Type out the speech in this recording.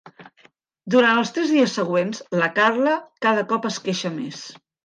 Durant els tres dies següents la Carla cada cop es queixa més.